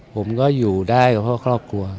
ผมก็อยู่ได้กับพ่อครอบครัว